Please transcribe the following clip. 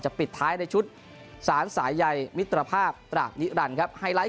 ปิดท้ายในชุดสารสายใยมิตรภาพตรากนิรันดิ์ครับไฮไลท์